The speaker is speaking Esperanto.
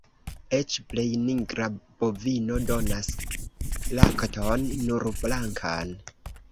Eĉ plej nigra bovino donas lakton nur blankan.